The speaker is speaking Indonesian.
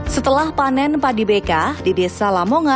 setelah panen padi bk di desa lamon